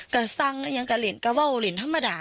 ก็สร้างเงียงกะเลินกระเว้าเหลียนธรรมดา